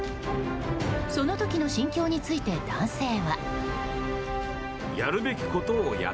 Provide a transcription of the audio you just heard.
その時の心境について男性は。